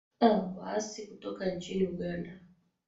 a waasi kutoka nchini uganda